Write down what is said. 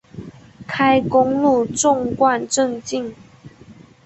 开公路纵贯镇境。